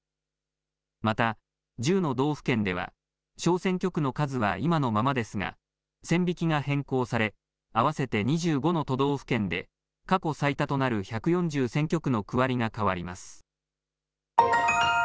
また１０の道府県では小選挙区の数は今のままですが線引きが変更され合わせて２５の都道府県で過去最多となる１４０選挙区の区割りが変わります。